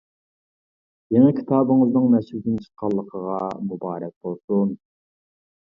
يېڭى كىتابىڭىزنىڭ نەشردىن چىققانلىقىغا مۇبارەك بولسۇن!